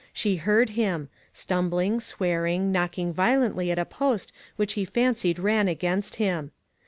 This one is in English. She heard him ; stumbling, swearing, knocking violently at a post which he fancied ran against him.